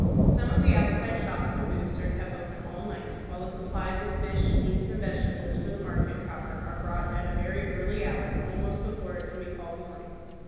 Some of the outside shops and booths are kept open all night, while the supplies of fish, meats, and vegetables for the market proper are brought at a very early hour, almost before it can be called morning.